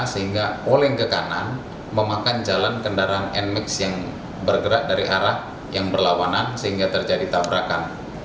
sehingga oleng ke kanan memakan jalan kendaraan nmax yang bergerak dari arah yang berlawanan sehingga terjadi tabrakan